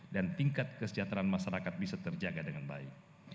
dan tingkat kesejahteraan masyarakat bisa terjaga dengan baik